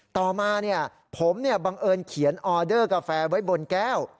ต่อมาเนี่ยผมเนี่ยบังเอิญเขียนออเดอร์กาแฟไว้บนแก้ว